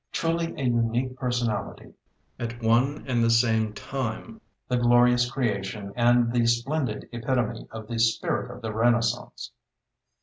Truly a unique personality, at one and the same time the glorious creation and the splendid epitome of the spirit of the Renaissance!